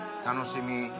楽しみ。